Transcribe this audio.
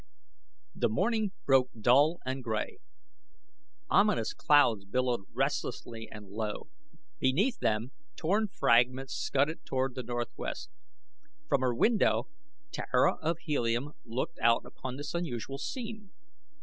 The morning broke dull and gray. Ominous clouds billowed restlessly and low. Beneath them torn fragments scudded toward the northwest. From her window Tara of Helium looked out upon this unusual scene.